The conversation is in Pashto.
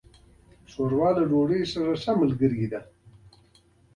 ښوروا له ډوډۍ سره ښه ملګرتیا لري.